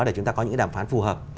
để chúng ta có những đàm phán phù hợp